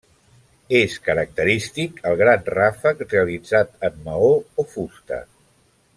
És característic el gran ràfec realitzat en maó o fusta.